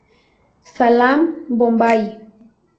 Salaam Bombay!